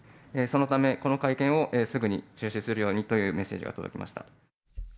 そのため、この会見をすぐに中止するようにというメッセージが届きました。